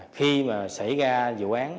khi mà xảy ra vụ án